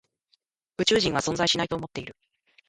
宇宙人は存在しないと思っている。